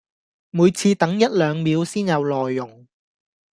每次等一兩秒先有內容